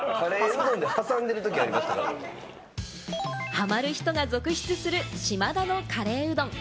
ハマる人が続出する「しまだ」のカレーうどん。